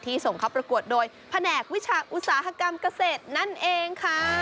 ส่งเข้าประกวดโดยแผนกวิชาอุตสาหกรรมเกษตรนั่นเองค่ะ